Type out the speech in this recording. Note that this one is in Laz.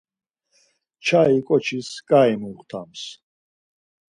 Çai ǩoçis ǩai muxtams.